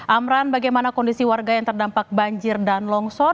amran bagaimana kondisi warga yang terdampak banjir dan longsor